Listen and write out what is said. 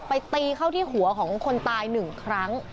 ตีเข้าที่หัวของคนตาย๑ครั้ง